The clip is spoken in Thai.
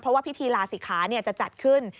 เพราะว่าพิธีลาศิกขาจะจัดขึ้น